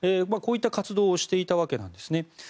こういった活動をしていたわけなんですね。